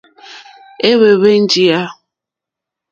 Ɛ́hwɛ́ǃhwɛ́ njìyá.